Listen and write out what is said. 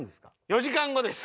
４時間後です。